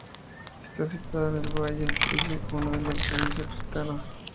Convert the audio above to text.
Está situado en el Valle Pellice, uno de los Valles Occitanos.